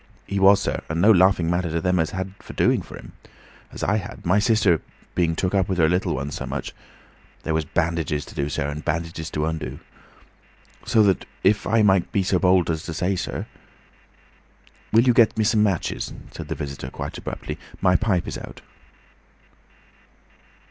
"He was, sir. And no laughing matter to them as had the doing for him, as I had—my sister being took up with her little ones so much. There was bandages to do, sir, and bandages to undo. So that if I may make so bold as to say it, sir—" "Will you get me some matches?" said the visitor, quite abruptly. "My pipe is out."